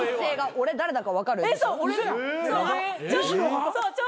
「俺誰だか分かる？」